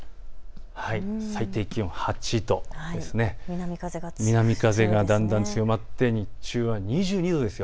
最低気温８度、南風がだんだん強まって日中は２２度です。